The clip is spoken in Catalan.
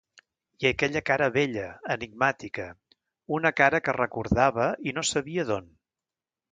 I aquella cara bella, enigmàtica... una cara que recordava i no sabia d'on.